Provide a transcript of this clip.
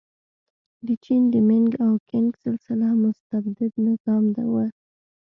د چین د مینګ او کینګ سلسله مستبد نظام و.